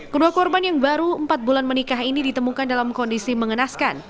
kedua korban yang baru empat bulan menikah ini ditemukan dalam kondisi mengenaskan